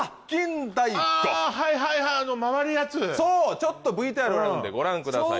ちょっとＶＴＲがあるのでご覧ください